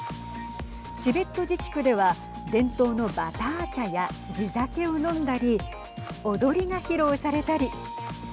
チベット自治区では伝統のバター茶や地酒を飲んだり踊りが披露されたり。